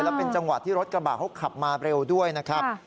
แล้วเป็นจังหวะที่รถกระบะเขาขับมาเร็วด้วยนะครับ